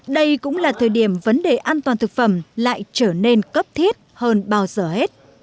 đây cũng là thời điểm vấn đề an toàn thực phẩm lại trở nên cấp thiết hơn bao giờ hết